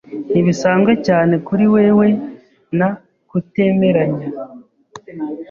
Ntibisanzwe cyane kuri wewe na kutemeranya.